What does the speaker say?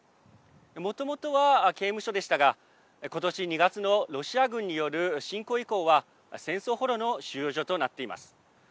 もともとは、刑務所でしたがことし２月のロシア軍による侵攻以降は戦争捕虜の収容所となっています。